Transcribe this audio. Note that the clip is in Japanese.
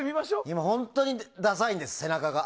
今、本当にダサいんです。